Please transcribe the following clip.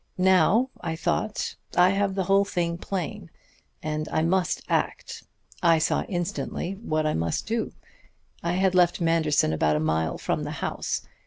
"Now, I thought, I have the whole thing plain, and I must act. I saw instantly what I must do. I had left Manderson about a mile from the house.